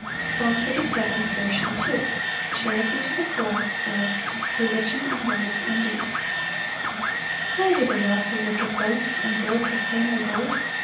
Psalm 37:2. 16 21 26 31. Second Part. Charity to the poor; or, Religion in words and deeds. 1 Why do the wealthy wicked boast, And grow profanely bold?